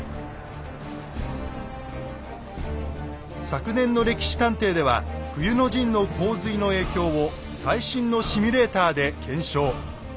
昨年の「歴史探偵」では冬の陣の洪水の影響を最新のシミュレーターで検証。